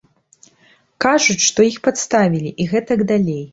Кажуць, што іх падставілі і гэтак далей.